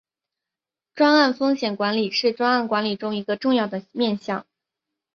专案风险管理是专案管理中一个重要的面向。